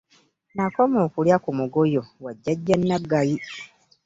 Nakoma okulya ku mugoyo wa jjajja Naggayi.